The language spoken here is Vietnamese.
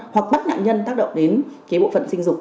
hoặc bất nạn nhân tác động đến bộ phận sinh dục